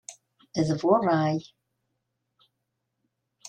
D bu ṛṛay!